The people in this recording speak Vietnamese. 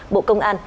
bộ công an